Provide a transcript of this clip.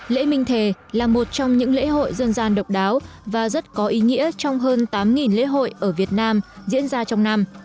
lễ minh thề là một trong những lễ hội dân gian độc đáo và rất có ý nghĩa trong hơn tám lễ hội ở việt nam diễn ra trong năm